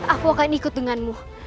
aku akan ikut denganmu